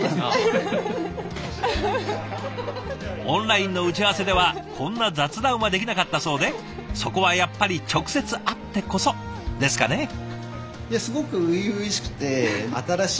オンラインの打ち合わせではこんな雑談はできなかったそうでそこはやっぱり直接会ってこそですかね。